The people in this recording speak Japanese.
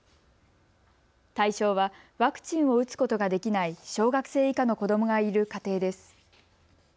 対象はワクチンを打つことができない小学生以下の子どもがいる家庭です。